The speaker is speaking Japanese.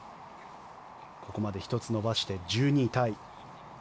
ここまで１つ伸ばして１２位タイ。